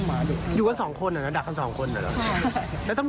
ที่เราบอกว่าตั้งแต่เราไทยเขาต้องหยิบมา